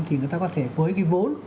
thì người ta có thể với cái vốn